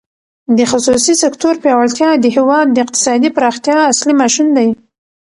د خصوصي سکتور پیاوړتیا د هېواد د اقتصادي پراختیا اصلي ماشین دی.